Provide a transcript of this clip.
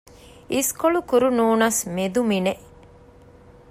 އިސްކޮޅު ކުރުނޫނަސް މެދުމިނެއް